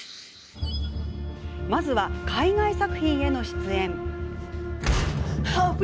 まずは、海外作品への出演。